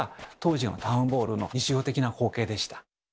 当時のタウン・ボールの日常的な光景でした。